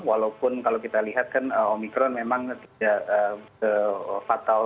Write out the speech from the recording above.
walaupun kalau kita lihat kan omicron memang tidak fatal